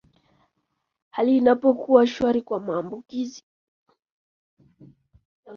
hali inapokuwa shwari kwa maambukizi